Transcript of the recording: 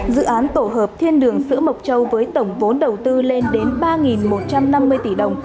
dự án tổ hợp thiên đường sữa mộc châu với tổng vốn đầu tư lên đến ba một trăm năm mươi tỷ đồng